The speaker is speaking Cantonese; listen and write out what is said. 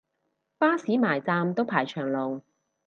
巴士埋站都排長龍